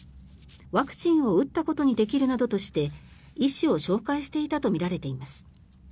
ワクチンを打ったことにできるなどとして医師を紹介していたとみられています。